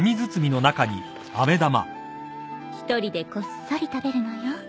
一人でこっそり食べるのよ。